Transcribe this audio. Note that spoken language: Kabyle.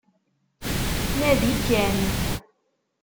Nadi kan